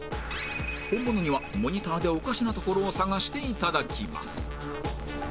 本物にはモニターでおかしなところを探して頂きます